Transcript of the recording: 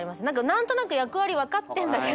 何となく役割分かってんだけど。